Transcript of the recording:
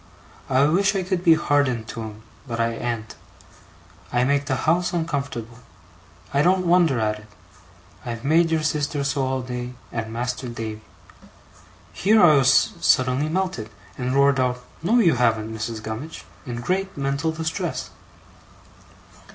I wish I could be hardened to 'em, but I an't. I make the house uncomfortable. I don't wonder at it. I've made your sister so all day, and Master Davy.' Here I was suddenly melted, and roared out, 'No, you haven't, Mrs. Gummidge,' in great mental distress.